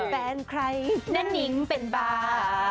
แฟนใครแนนิ้งเป็นบา